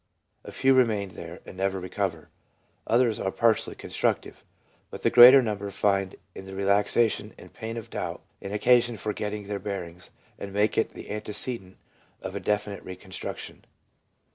A few remain there, and never recover. Others are partially constructive. But the greater number find in the relaxation and pain of doubt an occasion for getting their bearings, and make it the antecedent of a definite reconstruction.